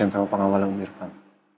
sama pengawalan om irvan